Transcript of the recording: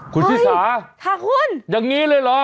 คุณที่สาอย่างนี้เลยเหรอ